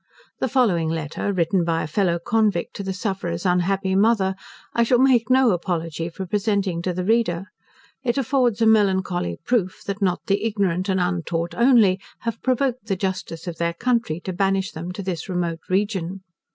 The following letter, written by a fellow convict to the sufferer's unhappy mother, I shall make no apology for presenting to the reader; it affords a melancholy proof, that not the ignorant and untaught only have provoked the justice of their country to banish them to this remote region.